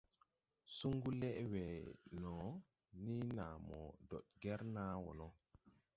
Suŋgu lɛʼ we no ni naa mo dɔɗ gɛr naa wɔ no.